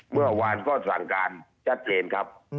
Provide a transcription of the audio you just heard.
เมื่อวานก็สั่งการชัดเจนครับ